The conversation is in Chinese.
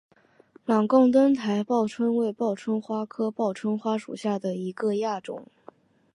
朗贡灯台报春为报春花科报春花属下的一个亚种。